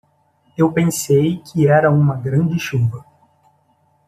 Eu pensei que era uma grande chuva